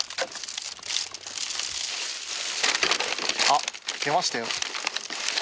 あっ出ましたよ。